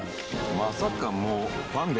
まさかもう。